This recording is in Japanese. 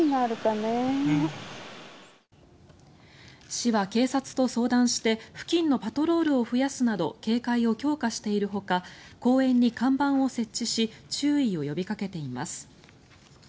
市は警察と相談して付近のパトロールを増やすなど警戒を強化しているほか公園に看板を設置し注意を呼びかけています。